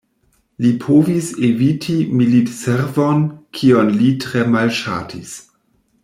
Li povis eviti militservon, kion li tre malŝatis.